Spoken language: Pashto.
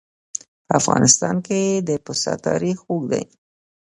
په افغانستان کې د پسه تاریخ اوږد دی.